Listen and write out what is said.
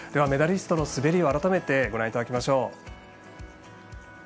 メダリストの滑りを改めて、ご覧いただきましょう。